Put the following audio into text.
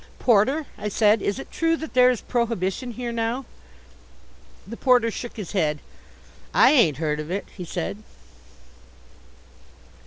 "Porter," I said, "is it true that there is prohibition here now?" The porter shook his head. "I ain't heard of it," he said.